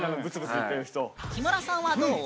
木村さんはどう？